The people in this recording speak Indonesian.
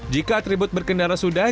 jika atribut berkendara sudah